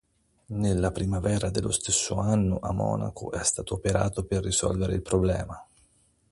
Nella primavera dello stesso anno, a Monaco, è stato operato per risolvere il problema.